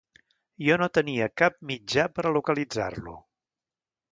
Jo no tenia cap mitjà per a localitzar-lo.